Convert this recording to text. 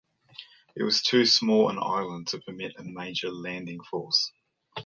It was too small an island to permit a major landing force.